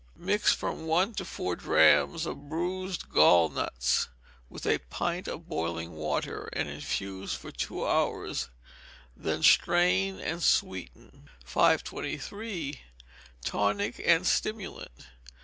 Mix from one to four drachms of bruised gall nuts with a pint of boiling water, and infuse for two hours, then strain and sweeten. 523. Tonic and Stimulant.